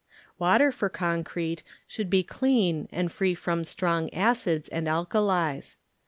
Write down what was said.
Water for concrete should hi clean and free from strong acids and alkalies.